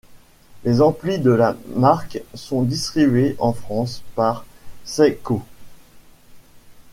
Les amplis de la marque sont distribués en France par Saico.